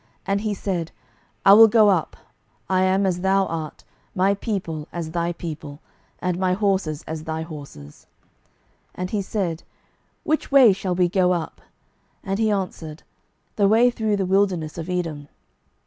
And he said, I will go up: I am as thou art, my people as thy people, and my horses as thy horses. 12:003:008 And he said, Which way shall we go up? And he answered, The way through the wilderness of Edom.